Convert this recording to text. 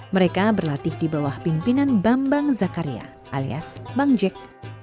mereka berlatih di bawah pimpinan bambang zakaria alias bang jack